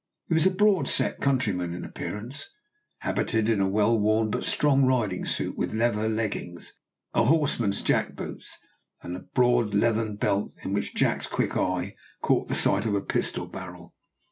He was a broad set countryman in appearance, habited in a well worn but strong riding suit, with leather leggings, a horseman's jackboots, and a broad leathern belt, in which Jack's quick eye caught sight of a pistol barrel.